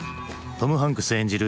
トム・ハンクス演じる